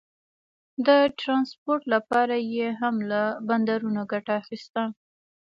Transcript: د ټرانسپورټ لپاره یې هم له بندرونو ګټه اخیسته.